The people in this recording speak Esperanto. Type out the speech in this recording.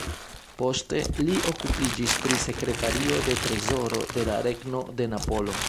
Poste li okupiĝis pri sekretario de trezoro de la Regno de Napolo.